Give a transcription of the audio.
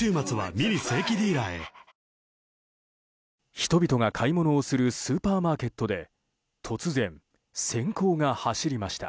人々が買い物をするスーパーマーケットで突然、閃光が走りました。